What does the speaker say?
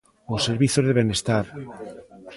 Os servizos de benestar.